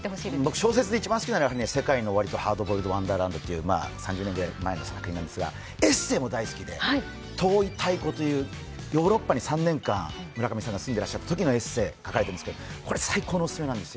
小説で一番好きなのは「世界の終りとハードボイルド・ワンダーランド」ですが３０年ぐらい前の作品なんですけど、エッセーも好きで「遠い太鼓」というヨーロッパに村上さんが３年間住んでいたときのエッセーなんですがこれ最高のお薦めなんですよ。